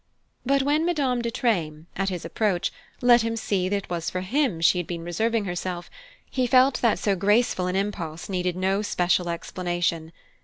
But when Madame de Treymes, at his approach, let him see that it was for him she had been reserving herself, he felt that so graceful an impulse needed no special explanation.